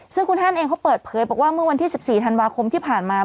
ซึ่งคุณฮันเองเขาเปิดเผยบอกว่าเมื่อวันที่๑๔ธันวาคมที่ผ่านมา